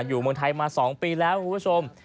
อยู่เมืองไทยมา๒ปีแล้วคุณผู้ชม